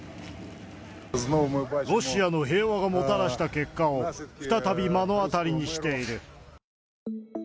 ロシアの平和がもたらした結果を再び目の当たりにしている。